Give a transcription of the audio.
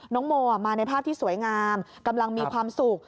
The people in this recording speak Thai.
น้องโมมาในภาพที่สวยงามกำลังมีความสุข